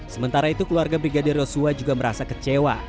sementara itu keluarga brigadir yosua juga merasa kecewa